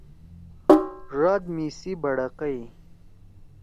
ڙاد می سی بڑَقئی۔